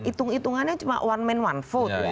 itung itungannya cuma one man one vote